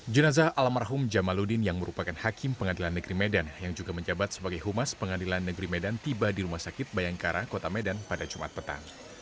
jenazah almarhum jamaludin yang merupakan hakim pengadilan negeri medan yang juga menjabat sebagai humas pengadilan negeri medan tiba di rumah sakit bayangkara kota medan pada jumat petang